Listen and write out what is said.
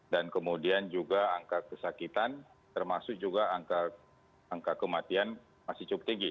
dan kemudian juga angka kesakitan termasuk juga angka kematian masih cukup tinggi